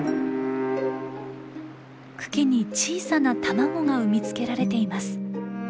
茎に小さな卵が産み付けられています。